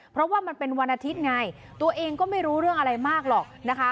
เพราะว่ามันเป็นวันอาทิตย์ไงตัวเองก็ไม่รู้เรื่องอะไรมากหรอกนะคะ